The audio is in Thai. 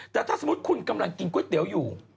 แต่ถ้าสมมุติคุณกำลังกินก๋วยเตี๋ยวอยู่